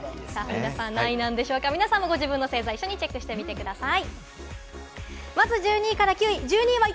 皆さんもご自分の星座、一緒にチェックしてみてください。